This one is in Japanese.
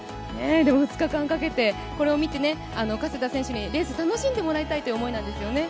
２日間かけて、これを見て加世田選手にレース楽しんでもらいたいという思いなんですよね。